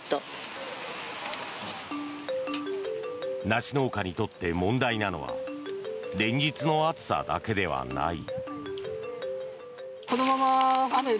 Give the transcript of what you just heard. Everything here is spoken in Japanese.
梨農家にとって問題なのは連日の暑さだけではない。